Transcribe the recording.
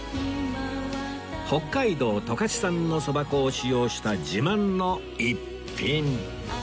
北海道十勝産の蕎麦粉を使用した自慢の逸品